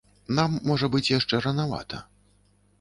Нам, можа быць, яшчэ ранавата.